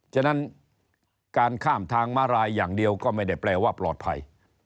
ฉะนั้นการข้ามทางมารายอย่างเดียวก็ไม่ได้แปลว่าปลอดภัย